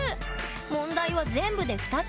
問題は全部で２つ。